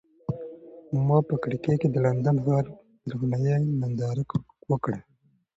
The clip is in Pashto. ما په کړکۍ کې د لندن د ښار د روښنایۍ ننداره وکړه.